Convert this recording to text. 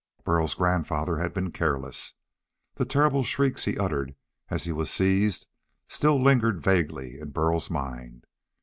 Burl's grandfather had been careless. The terrible shrieks he uttered as he was seized still lingered vaguely in Burl's mind.